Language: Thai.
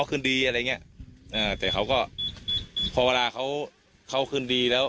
คืนดีอะไรอย่างเงี้ยอ่าแต่เขาก็พอเวลาเขาเขาคืนดีแล้ว